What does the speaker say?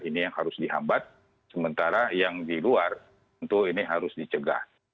ini yang harus dihambat sementara yang di luar tentu ini harus dicegah